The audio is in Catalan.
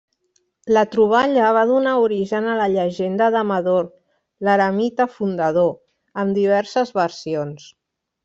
La troballa va donar origen a la llegenda d'Amador, l'eremita fundador, amb diverses versions.